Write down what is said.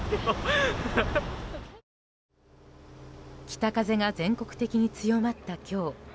北風が全国的に強まった今日。